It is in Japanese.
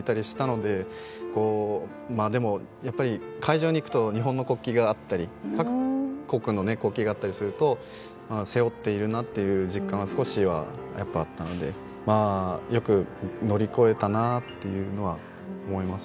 でも会場に行くと日本の国旗があったり各国の国旗があったりすると背負っているなという実感が少しは、なのでよく乗り越えたなとは思います。